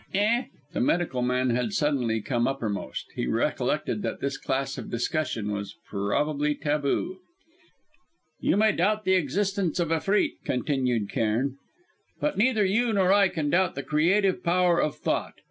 "Eh!" The medical man had suddenly come uppermost; he recollected that this class of discussion was probably taboo. "You may doubt the existence of Efreets," continued Cairn, "but neither you nor I can doubt the creative power of thought.